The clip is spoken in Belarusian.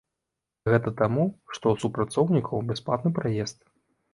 Гэта таму што у супрацоўнікаў бясплатны праезд.